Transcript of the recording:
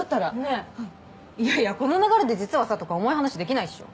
えいやいやこの流れで「実はさ」とか重い話できないでしょ